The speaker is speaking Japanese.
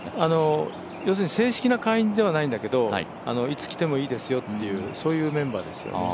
正式な会員ではないんだけど、いつ来てもいいですよというメンバーですよね。